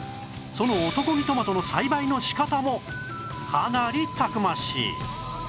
その男気トマトの栽培の仕方もかなりたくましい